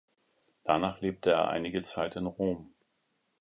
Danach lebte er einige Zeit in Rom.